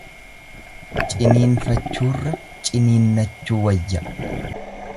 Ciniinfachuurra ciniinnachuu wayya.